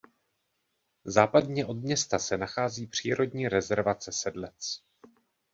Západně od města se nachází přírodní rezervace Sedlec.